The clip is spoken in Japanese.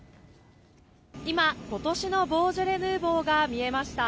今、今年のボージョレ・ヌーボーが見えました。